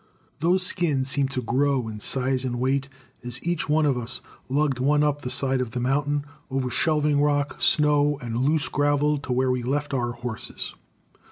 Those skins seemed to grow in size and weight as each of us lugged one up the side of the mountain over shelving rock, snow, and loose gravel to where we left our horses.